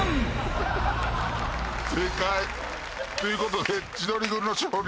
正解。ということで千鳥軍の勝利。